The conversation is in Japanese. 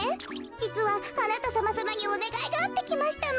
じつはあなたさまさまにおねがいがあってきましたの。